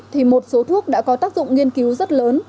thì một số thuốc đã có tác dụng nghiên cứu rất lớn